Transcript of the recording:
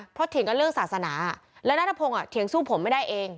เพราะเถียงกันเรื่องศาสนาและนัทพงศ์เถียงสู้ผมไม่ได้เอง